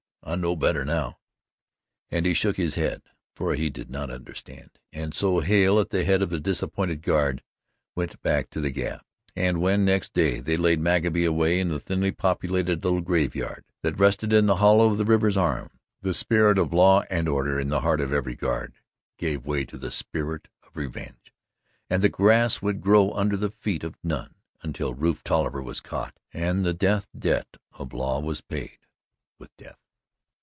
I know better now," and he shook his head, for he did not understand. And so Hale at the head of the disappointed Guard went back to the Gap, and when, next day, they laid Mockaby away in the thinly populated little graveyard that rested in the hollow of the river's arm, the spirit of law and order in the heart of every guard gave way to the spirit of revenge, and the grass would grow under the feet of none until Rufe Tolliver was caught and the death debt of the law was paid with death.